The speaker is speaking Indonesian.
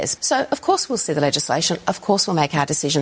kita akan membuat keputusan ketika kita melihat keputusan